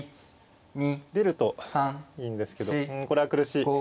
出るといいんですけどうんこれは苦しい。